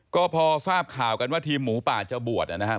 ก็พอทราบข่าวกันว่าทีมหมูป่าจะบวชนะครับ